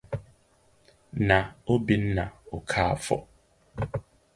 na Obinna Okafor